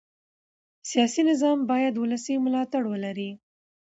سیاسي نظام باید ولسي ملاتړ ولري